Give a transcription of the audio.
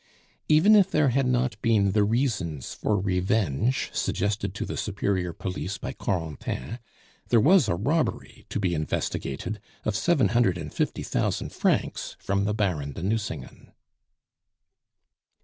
Even if there had not been the reasons for revenge suggested to the superior police by Corentin, there was a robbery to be investigated of seven hundred and fifty thousand francs from the Baron de Nucingen.